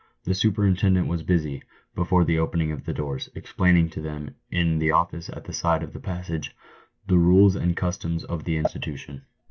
The superintendent was busy, before the opening of the doors, explaining to them, in the office at the side of the passage, the rules and customs of the institu tion.